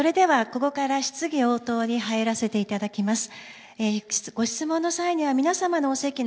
ここから質疑応答に入らせていただきます。